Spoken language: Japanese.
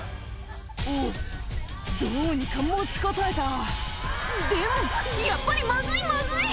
おぉどうにか持ちこたえたでもやっぱりまずいまずい！